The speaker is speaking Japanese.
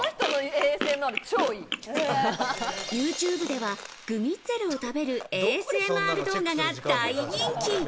ＹｏｕＴｕｂｅではグミッツェルを食べるＡＳＭＲ動画が大人気。